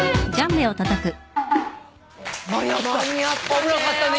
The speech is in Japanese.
危なかったね。